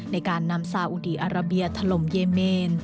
ในการนำซาอุดีอาราเบียถล่มเยเมน